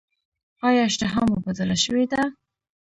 ایا اشتها مو بدله شوې ده؟